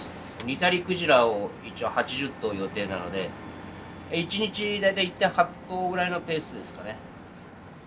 ニタリクジラを一応８０頭予定なので一日大体１．８頭ぐらいのペースですかね。